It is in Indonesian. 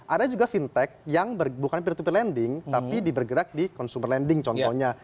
ada juga fintech yang bukan peer to peer lending tapi dibergerak di consumer lending contohnya